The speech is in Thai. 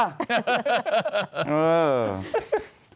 เออ